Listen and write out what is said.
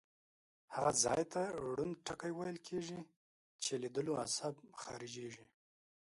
هغه ځای ته ړوند ټکی ویل کیږي چې لیدلو عصب خارجیږي.